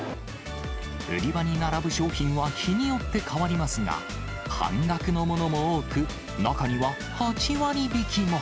売り場に並ぶ商品は日によって替わりますが、半額のものも多く、中には８割引きも。